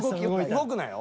動くなよ。